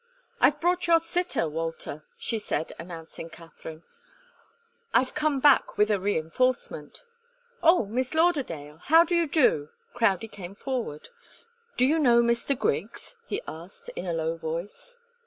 "I've brought your sitter, Walter," she said, announcing Katharine. "I've come back with a reinforcement." "Oh, Miss Lauderdale, how do you do?" Crowdie came forward. "Do you know Mr. Griggs?" he asked in a low voice.